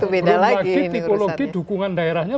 belum lagi tipologi dukungan daerahnya